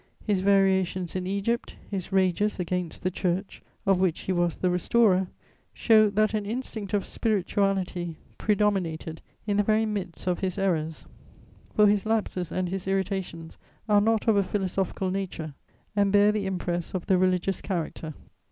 His variations in Egypt, his rages against the Church, of which he was the restorer, show that an instinct of spirituality predominated in the very midst of his errors; for his lapses and his irritations are not of a philosophical nature and bear the impress of the religious character.